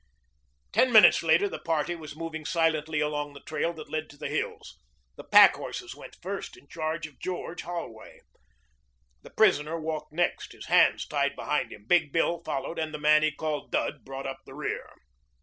Ten minutes later the party was moving silently along the trail that led to the hills. The pack horses went first, in charge of George Holway. The prisoner walked next, his hands tied behind him. Big Bill followed, and the man he had called Dud brought up the rear.